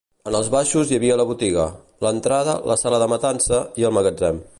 En els baixos hi havia la botiga, l'entrada, la sala de matança i el magatzem.